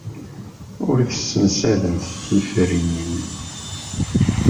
Ur tessemsademt tiferyin.